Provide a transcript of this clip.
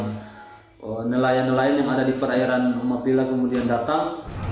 dan nelayan nelayan yang ada di perairan mapila kemudian datang